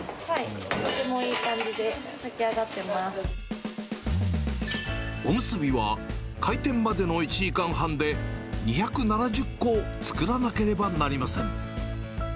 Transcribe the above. とてもいい感じで炊き上がっおむすびは、開店までの１時間半で、２７０個作らなければなりません。